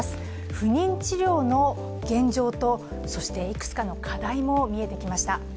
不妊治療の現状と、そしていくつかの課題も見えてきました。